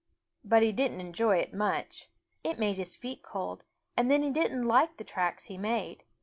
But he didn't enjoy it much. It made his feet cold, and then he didn't like the tracks he made.